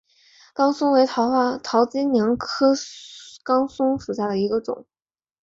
岗松为桃金娘科岗松属下的一个种。